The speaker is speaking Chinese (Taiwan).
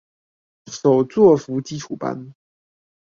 手作服基礎班